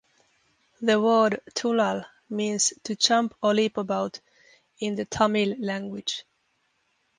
The word "Thullal" means "to jump or leap about" in the Tamil language.